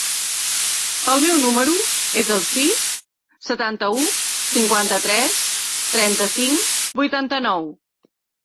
El meu número es el sis, setanta-u, cinquanta-tres, trenta-cinc, vuitanta-nou.